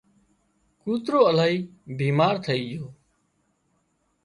ڪوترو الاهي بيمار ٿئي جھو